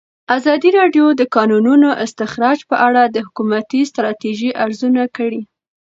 ازادي راډیو د د کانونو استخراج په اړه د حکومتي ستراتیژۍ ارزونه کړې.